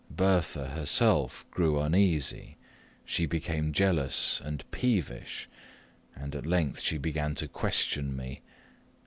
Bertha herself grew uneasy. She became jealous and peevish, and at length she began to question me.